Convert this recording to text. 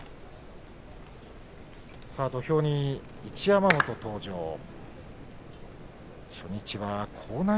土俵に一山本の登場です。